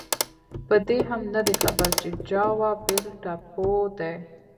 په دې هم نه دی خبر چې جاوا بېل ټاپو دی.